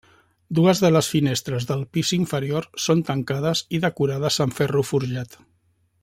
Dues de les finestres del pis inferior són tancades i decorades amb ferro forjat.